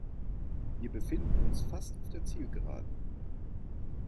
Wir befinden uns fast auf der Zielgeraden.